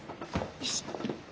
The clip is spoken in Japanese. よし！